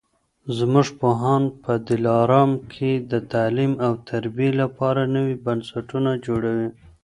زموږ پوهان په دلارام کي د تعلیم او تربیې لپاره نوي بنسټونه جوړوي